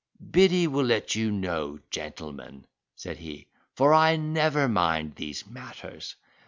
"Biddy will let you know, gentlemen," said he; "for I never mind these matters.